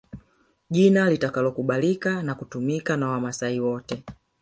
Jina litakalokubalika na kutumika na Wamaasai wote